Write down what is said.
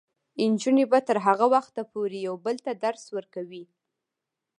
نجونې به تر هغه وخته پورې یو بل ته درس ورکوي.